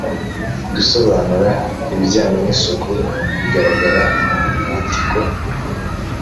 -gusobanura ibijyanye n’isuku bigaragara mu mwandiko;